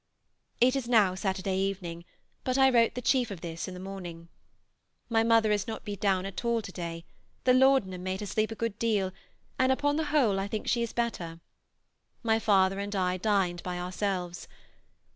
It is now Saturday evening, but I wrote the chief of this in the morning. My mother has not been down at all to day; the laudanum made her sleep a good deal, and upon the whole I think she is better. My father and I dined by ourselves.